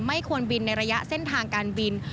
ไม่ควรบินในระยะเส้นทางการบิน